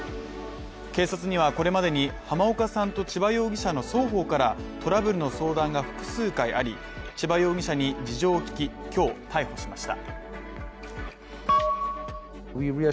警察にはこれまでに濱岡さんと千葉容疑者の双方からトラブルの相談が複数回あり、千葉容疑者に事情を聞き、今日逮捕しました。